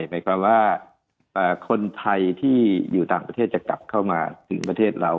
หมายความว่าคนไทยที่อยู่ต่างประเทศจะกลับเข้ามาถึงประเทศเรา